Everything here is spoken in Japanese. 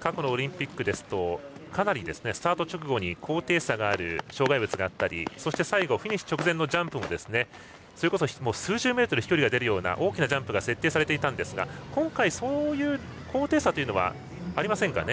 過去のオリンピックですとかなりスタート直後に高低差がある障害物があったりそして、最後フィニッシュ直前のジャンプもそれこそ数十メートルの飛距離が出るような大きなジャンプが設定されていたんですが今回そういう高低差はありませんか。